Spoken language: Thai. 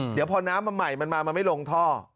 เดี๋ยวพอน้ำมันใหม่มันมามันไม่ลงท่อ